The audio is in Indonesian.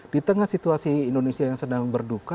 di tengah situasi indonesia yang sedang berduka